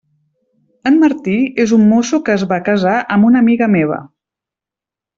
En Martí és un mosso que es va casar amb una amiga meva.